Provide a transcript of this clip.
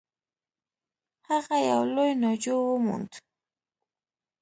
هغه یو لوی ناجو و موند.